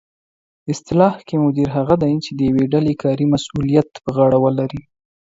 اصطلاح کې مدیر هغه دی چې د یوې ډلې کاري مسؤلیت په غاړه ولري